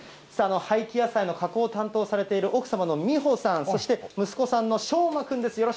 廃棄野菜の加工を担当されている奥様の美帆さん、そして息子さんのしょうま君です。